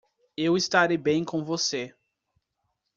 Eu estarei bem com você.